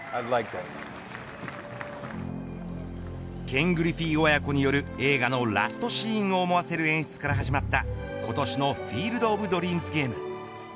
ケン・グリフィー親子による映画のラストシーンを思わせる演出から始まった今年のフィールド・オブ・ドリームス・ゲーム。